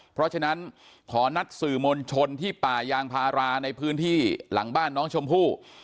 เพราะฉะนั้นขอนัดสื่อมวลชนที่ป่ายางพาราในพื้นที่หลังบ้านน้องชมพู่